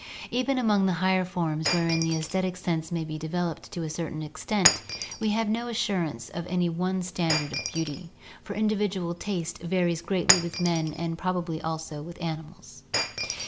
Even among the higher forms wherein the aesthetic sense may be developed to a certain extent, we have no assurance of any one standard of beauty, for individual taste varies greatly with men and probably also with animals.